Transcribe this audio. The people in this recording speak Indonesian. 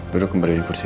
duduk kembali di kursi